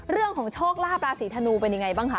เรื่องของโชคลาภราศีธนูเป็นยังไงบ้างคะ